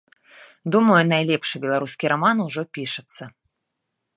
Думаю, найлепшы беларускі раман ужо пішацца.